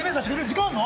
時間あるの？